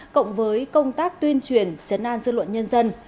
cộng với công tác tuyên truyền chấn an dư luận nhân dân